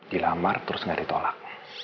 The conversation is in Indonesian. dilamar terus enggak ditolak